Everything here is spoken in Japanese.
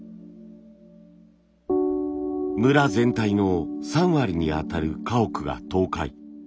村全体の３割にあたる家屋が倒壊。